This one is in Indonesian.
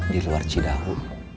di luar cidawu